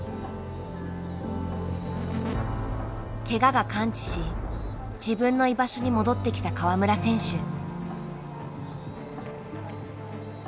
ケガが完治し自分の居場所に戻ってきた川村選手。